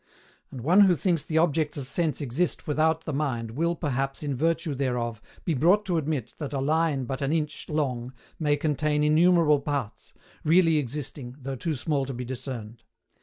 And one who thinks the objects of sense exist without the mind will perhaps in virtue thereof be brought to admit that a line but an inch long may contain innumerable parts really existing, though too small to be discerned.